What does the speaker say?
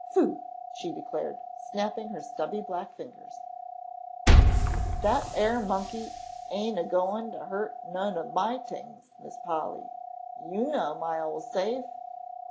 "Phoo!" she declared, snapping her stubby black fingers, "dat ar monkey ain' a goin' to hurt none ob my t'ings, Miss Polly. You know my ole safe?"